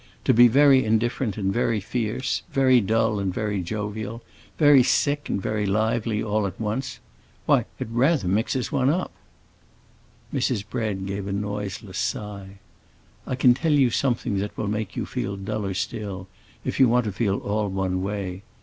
To be very indifferent and very fierce, very dull and very jovial, very sick and very lively, all at once,—why, it rather mixes one up." Mrs. Bread gave a noiseless sigh. "I can tell you something that will make you feel duller still, if you want to feel all one way.